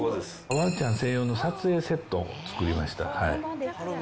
ワンちゃん専用の撮影セットを作りました。